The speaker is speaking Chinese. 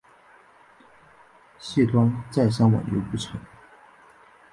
谢端再三挽留不成。